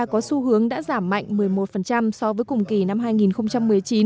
có xu hướng đã giảm mạnh một mươi một so với cùng kỳ năm hai nghìn một mươi chín